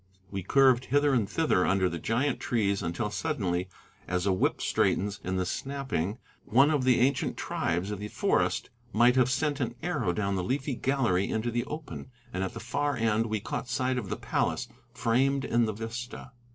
We curved hither and thither under the giant trees until suddenly, as a whip straightens in the snapping, one of the ancient tribes of the forest might have sent an arrow down the leafy gallery into the open, and at the far end we caught sight of the palace framed in the vista.